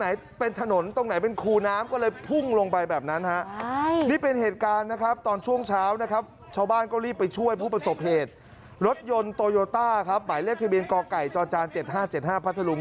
ยนต์โตโยต้าครับหมายเลขทีเบียนกไก่จจาน๗๕๗๕พัทธรุง